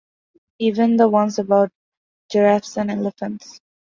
Even the ones about giraffes and elephants.